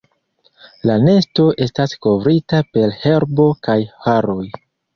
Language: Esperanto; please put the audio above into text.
La nesto estas kovrita per herbo kaj haroj.